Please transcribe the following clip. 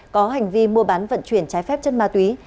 có hành vi mua bán vận chuyển trái phép chất ma túy